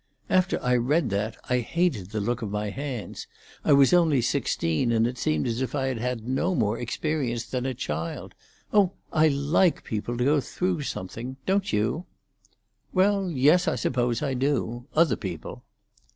After I read that I hated the look of my hands—I was only sixteen, and it seemed as if I had had no more experience than a child. Oh, I like people to go through something. Don't you?" "Well, yes, I suppose I do. Other people."